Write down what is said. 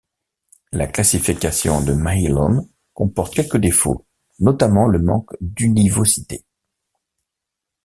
La classification de Mahillon comporte quelques défauts, notamment le manque d'univocité.